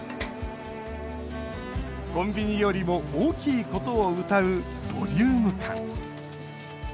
コンビニよりも大きいことをうたうボリューム感。